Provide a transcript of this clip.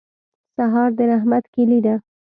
سهار د رحمت کلي ده.